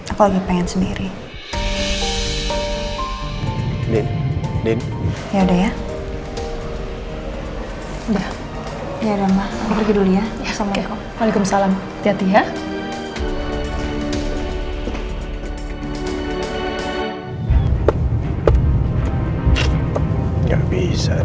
aku lagi pengen sendiri